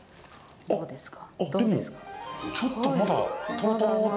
どうですか？